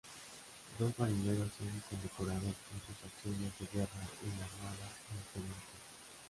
Dos marineros son condecorados por sus acciones de guerra en la Armada norteamericana.